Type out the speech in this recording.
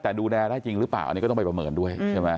แต่ดูแลได้จริงหรือเปล่าอันนี้ก็ต้องไปประเมินด้วยใช่ไหม